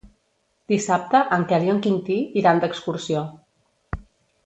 Dissabte en Quel i en Quintí iran d'excursió.